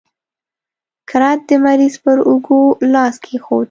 کرت د مریض پر اوږو لاس کېښود.